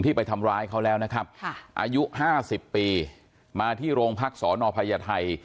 ที่ไปทำร้ายเขาแล้วนะครับค่ะอายุห้าสิบปีมาที่โรงพักษ์สอนอภัยไทย